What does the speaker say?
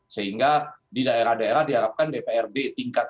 sehingga di daerah daerah diharapkan dprd tingkat